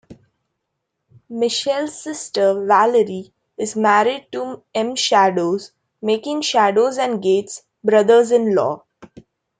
Michelle's sister, Valary, is married to M. Shadows, making Shadows and Gates brothers-in-law.